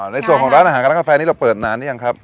ในส่วนของร้านอาหารกับร้านกาแฟนี้เราเปิดนานหรือยังครับ